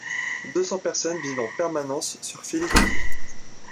Deux cents personnes vivent en permanence sur Filicudi.